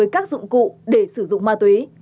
các dụng cụ để sử dụng ma túy